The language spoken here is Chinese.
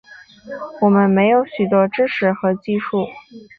我们没有许多知识和技术